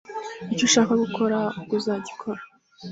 icyo ushaka gukora, uko uzagikora,